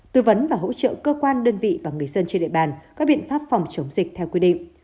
tư vấn và hỗ trợ cơ quan đơn vị và người dân trên địa bàn các biện pháp phòng chống dịch theo quy định